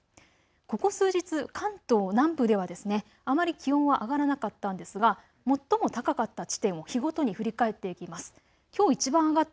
ここ数日、関東南部ではあまり気温は上がらなかったんですが最も高かった地点を日ごとに振り返っていきます。